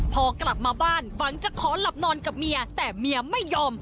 พอกลับมาบ้านหวังจะขอหลับนอนกับเมียแต่เมียไม่ยอม